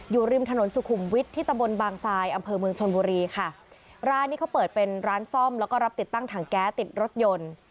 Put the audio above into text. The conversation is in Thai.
อยู่ริมถนนสุขุมวิทย์ที่ตะบนบางซายอำเภอเมืองชนบุรีค่ะร้านนี้เขาเปิดเป็นร้านซ่อมแล้วก็รับติดตั้งถังแก๊สติดรถยนต์